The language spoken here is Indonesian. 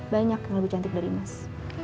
banyak yang lebih cantik dari emas